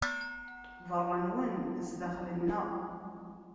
Beṛṛa nnwen, zdaxel nneɣ.